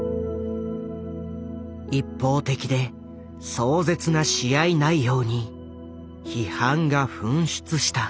一方的で壮絶な試合内容に批判が噴出した。